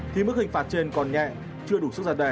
thì mức hình phạt trên còn nhẹ chưa đủ sức giả đề